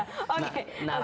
di jadikan saudara